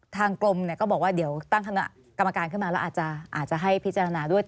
ทางกรมก็บอกว่าเดี๋ยวตั้งคณะกรรมการขึ้นมาแล้วอาจจะให้พิจารณาด้วย